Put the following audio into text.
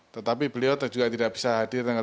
tetapi beliau juga tidak bisa hadir tanggal dua